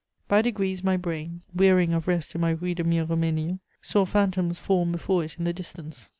By degrees my brain, wearying of rest in my Rue de Miromesnil, saw phantoms form before it in the distance.